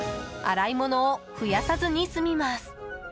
洗い物を増やさずに済みます。